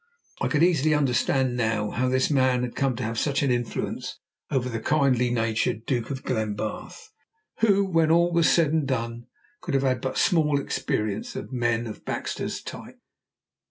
I could easily understand now how this man had come to have such an influence over the kindly natured Duke of Glenbarth, who, when all was said and done, could have had but small experience of men of Baxter's type.